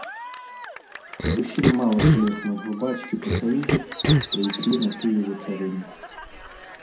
Зусім мала калег майго бацькі па саюзе прыйшлі на тую вечарыну.